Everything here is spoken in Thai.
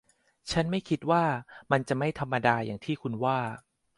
ฉันไม่คิดว่า มันจะไม่ธรรมดาอย่างที่คุณว่า